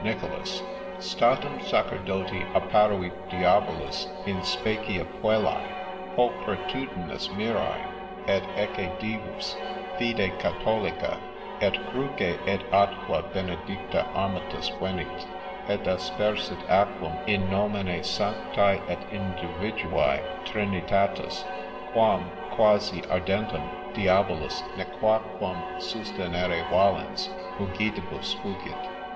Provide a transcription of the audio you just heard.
NICHOLAS ' Statim aacerdoti apparuit diabolus in specie puellae pulchri tudinis mirae, et ecce Divus, fide catholica, et cruce, et aqua benedict^ armatus venit, et aapersit aquam in nomine Sanctae et Individual Trinitatis, quam, quasi ardentem, diabolus, nequaqnam sustinere valens, mugitibus fugit.'